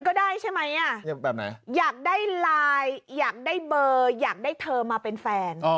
ก็ได้ใช่ไหมอยากได้ไลน์อยากได้เบอร์อยากได้เธอมาเป็นแฟน